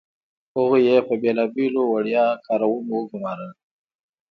هغوی یې په بیلابیلو وړيا کارونو وګمارل.